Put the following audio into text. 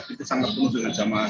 itu sangat penuh dengan jamaah